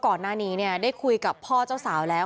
ก่อนหน้านี้ได้คุยกับพ่อเจ้าสาวแล้ว